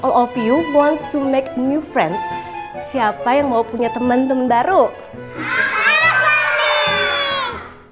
all of you wants to make new friends siapa yang mau punya teman teman baru apa